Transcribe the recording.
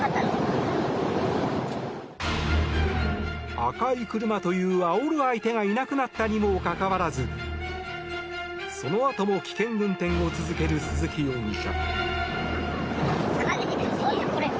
赤い車という、あおる相手がいなくなったのにもかかわらずそのあとも危険運転を続ける鈴木容疑者。